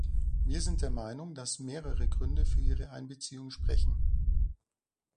Wir sind der Meinung, dass mehrere Gründe für ihre Einbeziehung sprechen.